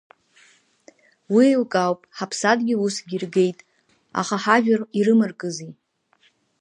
Уи еилкаауп, ҳаԥсадгьыл усгьы иргеит, аха ҳажәлар ирымаркызеи?